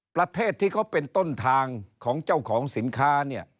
ประเทศที่เขาเป็นต้นทางของเจ้าของสินค้าเนี่ย